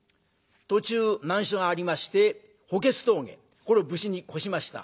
途中難所がありまして法華津峠これ無事に越しました。